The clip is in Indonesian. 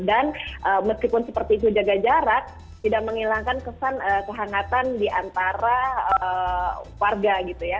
dan meskipun seperti itu jaga jarak tidak menghilangkan kesan kehangatan diantara warga gitu ya